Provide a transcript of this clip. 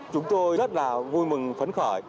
chúng tôi rất là vui mừng phấn khởi